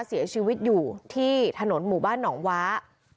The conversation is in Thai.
เสียชีวิตอยู่ที่ถนนหมู่บ้านหนองว้า